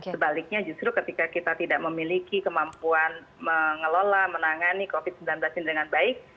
sebaliknya justru ketika kita tidak memiliki kemampuan mengelola menangani covid sembilan belas ini dengan baik